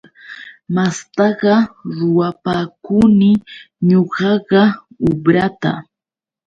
Mastaqa ruwapakuni ñuqaqa ubrata.